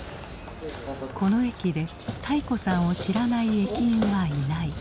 この駅で泰子さんを知らない駅員はいない。